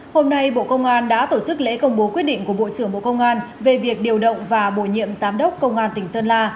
hôm nay bộ công an đã tổ chức lễ công bố quyết định của bộ trưởng bộ công an về việc điều động và bổ nhiệm giám đốc công an tỉnh sơn la